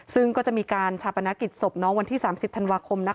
ซึ่งก็จะมีการชาปนกิจศพน้องวันที่๓๐ธันวาคม